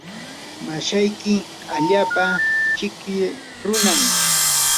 mashayki allaapa chiki runam.